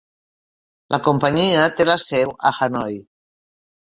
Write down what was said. La companyia té la seu a Hanoi.